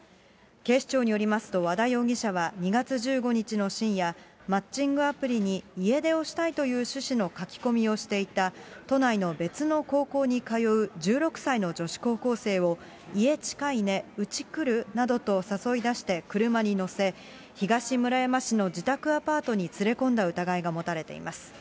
警視庁によりますと、和田容疑者は２月１５日の深夜、マッチングアプリに家出をしたいという趣旨の書き込みをしていた、都内の別の高校に通う１６歳の女子高校生を、家近いね、うち来る？などと誘い出して車に乗せ、東村山市の自宅アパートに連れ込んだ疑いが持たれています。